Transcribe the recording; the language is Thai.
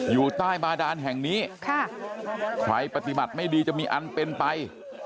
อยู่ใต้บาดานแห่งนี้ใครปฏิบัติไม่ดีจะมีอันเป็นไป